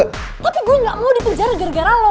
tapi gue gak mau dipenjara gara gara lo